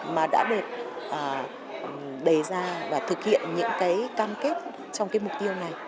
mà đã được đề ra và thực hiện những cam kết trong mục tiêu này